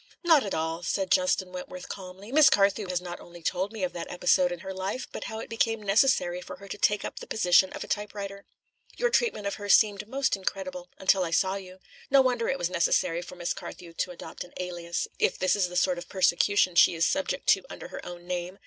"Not at all," said Justin Wentworth calmly. "Miss Carthew has not only told me of that episode in her life, but how it became necessary for her to take up the position of a typewriter. Your treatment of her seemed almost incredible until I saw you. No wonder it was necessary for Miss Carthew to adopt an alias, if this is the sort of persecution she is subject to under her own name.